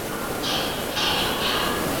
دا د یوه امت انعکاس دی.